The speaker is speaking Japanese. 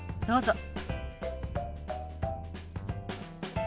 どうぞ。